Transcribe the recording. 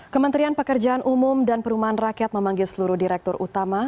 kementerian pekerjaan umum dan perumahan rakyat memanggil seluruh direktur utama